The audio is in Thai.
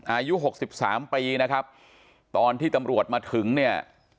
อายุหกสิบสามปีนะครับตอนที่ตำรวจมาถึงเนี่ย